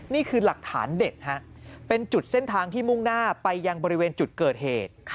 นี่คือหลักฐานเด็ดเป็นจุดเส้นทางที่มุ่งหน้าไปยังบริเวณจุดเกิดเหตุ